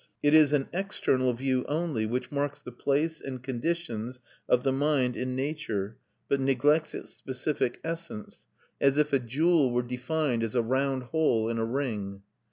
It is an external view only, which marks the place and conditions of the mind in nature, but neglects its specific essence; as if a jewel were defined as a round hole in a ring.